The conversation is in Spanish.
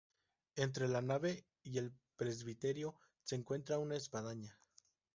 Entre la nave y el presbiterio se encuentra una espadaña.